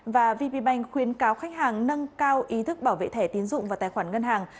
và vb bank khuyến cáo khách hàng nâng cao ý thức bảo vệ thẻ tiến dụng và tài khoản ngân hàng